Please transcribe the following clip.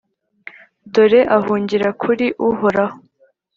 dore ahungira kuri uhoraho.